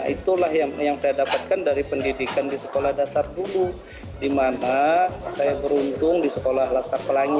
itulah yang saya dapatkan dari pendidikan di sekolah dasar dulu di mana saya beruntung di sekolah laskar pelangi